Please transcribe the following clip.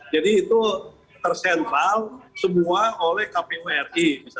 jadi itu tersentral semua oleh kpwri